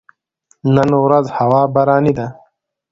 نن ورځ هوا باراني ده